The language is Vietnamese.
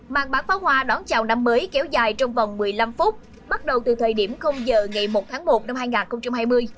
màn bắn pháo hoa đón chào năm mới kéo dài trong vòng một mươi năm phút bắt đầu từ thời điểm giờ ngày một tháng một năm hai nghìn hai mươi